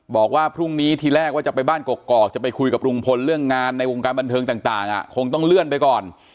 บอกว่าพรุ่งนี้ทีแรกว่าจะไปบ้านกอกจะไปคุยกับลุงพลเรื่องงานในวงการบันเทิงต่างคงต้องเลื่อนไปก่อน